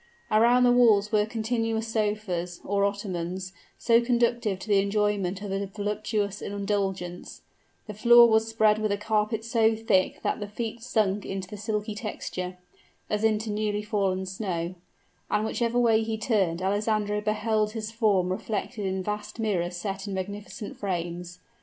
Around the walls were continuous sofas, or ottomans, so conducive to the enjoyment of a voluptuous indolence; the floor was spread with a carpet so thick that the feet sunk into the silky texture, as into newly fallen snow; and whichever way he turned Alessandro beheld his form reflected in vast mirrors set in magnificent frames.